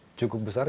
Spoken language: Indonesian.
yang cukup besar